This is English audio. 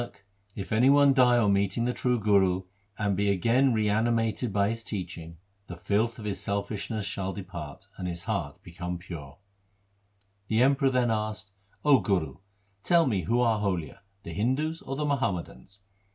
LIFE OF GURU HAR GOBIND Saith Nanak, if any one die on meeting the true Guru and be again reanimated by his teaching, The filth of his selfishness shall depart and his heart become pure. 1 The Emperor then asked, ' 0 Guru, tell me who are holier, the Hindus or the Muhammadans.